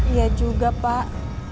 iya juga pak